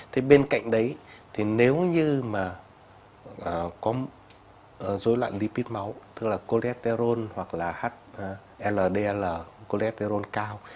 thì bên cạnh đấy thì nếu như mà có dối loạn lipid máu tức là cholesterol hoặc là ldl cholesterol cao